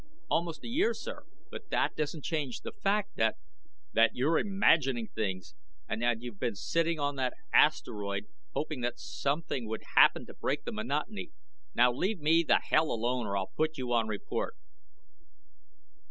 "Almost a year, sir, but that doesn't change the fact that " "That you're imagining things and that you've been sitting on that asteroid hoping that something would happen to break the monotony. Now leave me the hell alone or I'll put you on report."